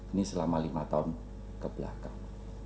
ini selama lima tahun kebelakang